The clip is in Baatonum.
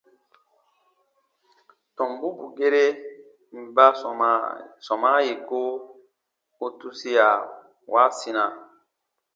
Tɔmbu bù gere mɛ̀ ba sɔmaa yè goo u tuia waasina.